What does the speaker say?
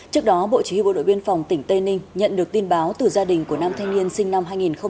trước đó bộ chỉ huy bộ đội biên phòng tỉnh tây ninh nhận được tin báo từ gia đình của nam thanh niên sinh năm hai nghìn một mươi